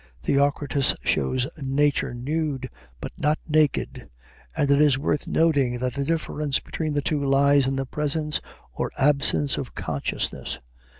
Theocritus shows Nature nude, but not naked; and it is worth noting that the difference between the two lies in the presence or absence of consciousness.